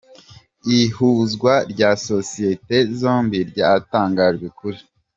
Ihuzwa rya sosiyete zombi ryatangajwe kuri.